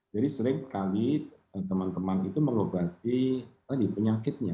jadi seringkali teman teman itu mengobati penyakitnya